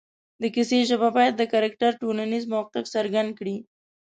د کیسې ژبه باید د کرکټر ټولنیز موقف څرګند کړي